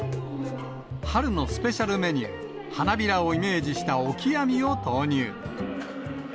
春のスペシャルメニュー、花びらをイメージしたオキアミを投入。